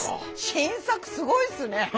新作すごいっすね。